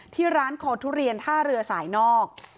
ที่ร้านคอทุเรียนท่าเรือสายนอก